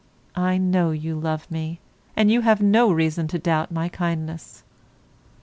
I know you love me, and you have no reason to doubt my kindness.